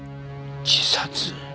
自殺？